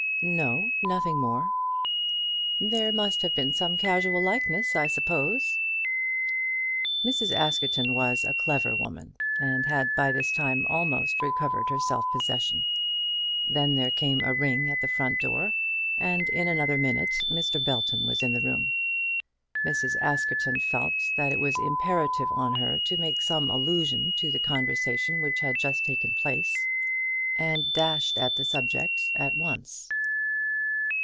"No; nothing more." "There must have been some casual likeness I suppose." Mrs. Askerton was a clever woman, and had by this time almost recovered her self possession. Then there came a ring at the front door, and in another minute Mr. Belton was in the room. Mrs. Askerton felt that it was imperative on her to make some allusion to the conversation which had just taken place, and dashed at the subject at once.